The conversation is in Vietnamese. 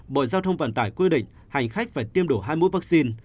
bộ giao thông vận tải quy định hành khách phải tiêm đủ hai mũi vaccine